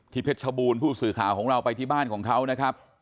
เพชรชบูรณ์ผู้สื่อข่าวของเราไปที่บ้านของเขานะครับ